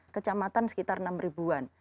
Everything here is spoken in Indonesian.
kecamatan sekitar enam ribuan